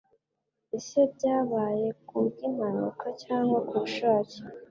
Ese byabaye ku bw'impanuka cyangwa kubushake